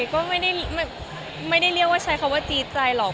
ก็ไม่ได้เรียกว่าใช้คำว่าจี๊ดใจหรอก